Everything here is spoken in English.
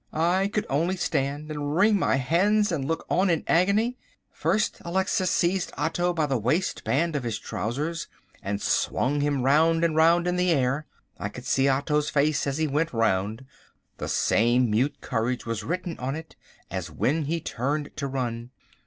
I could only stand and wring my hands and look on in agony! First, Alexis seized Otto by the waistband of his trousers and swung him round and round in the air. I could see Otto's face as he went round: the same mute courage was written on it as when he turned to run.